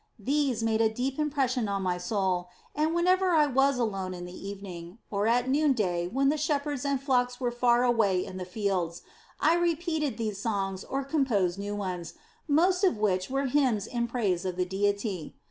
These made a deep impression on my soul and, whenever I was alone in the evening, or at noon day when the shepherds and flocks were far away in the fields, I repeated these songs or composed new ones, most of which were hymns in praise of the deity.